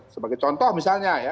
sebagai contoh misalnya ya